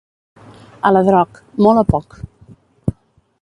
Aladroc, molt o poc.